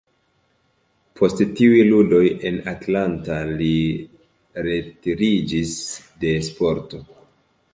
Post tiuj ludoj en Atlanta li retiriĝis de sporto.